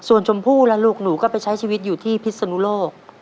ส่วนชมพู่ล่ะลูกหนูก็ไปใช้ชีวิตอยู่ที่พิศนุโลก